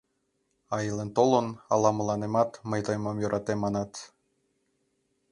А илен-толын ала мыланемат «мый тыйым ом йӧрате» манат?